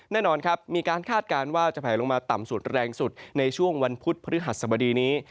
แน่นอนครับมีการคาดการณ์ว่าจะแผลลงมาต่ำสุดแรงสุดในช่วงวันพุธพฤหัสสบดีนี้